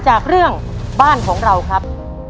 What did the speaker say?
จากเรื่องบ้านของเราครับ